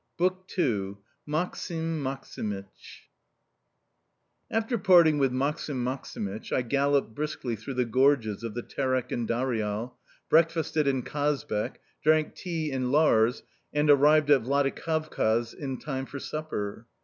BOOK II MAKSIM MAKSIMYCH AFTER parting with Maksim Maksimych, I galloped briskly through the gorges of the Terek and Darial, breakfasted in Kazbek, drank tea in Lars, and arrived at Vladikavkaz in time for supper.